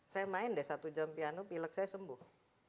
saya main deh satu jam piano pilek saya sembuh